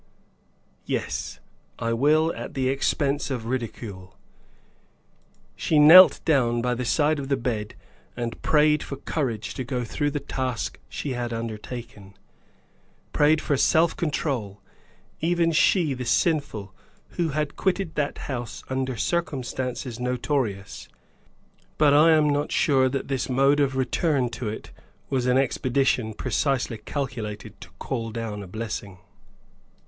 Yes, I will at the expense of ridicule. She knelt down by the bed and prayed for courage to go through the task she had undertaken; prayed for self control even she, the sinful, who had quitted that house under circumstances notorious. But I am not sure that this mode of return to it was an expedition precisely calculated to call down a blessing.